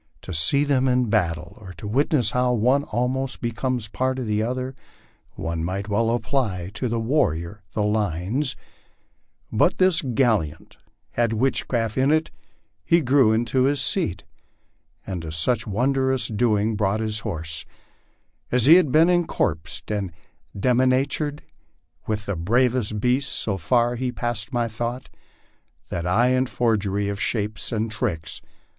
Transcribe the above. To see them in battle, and to wit ness how the one almost becomes a part of the other, one might well apply to the warrior the lines But this gallant Had witchcraft in 't ; he grew into his seat, And to such wondrous doing brought his horse, As he had been encorps'd and demi natur'd With the brave beast ; so far he passed my thought That I, in forgery of shapes and tricks